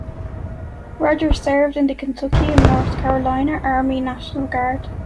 Rogers served in the Kentucky and North Carolina Army National Guard.